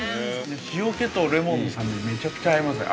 ◆塩気とレモンの酸味めちゃくちゃ合いますね。